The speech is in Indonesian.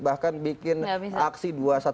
bahkan bikin aksi dua satu dua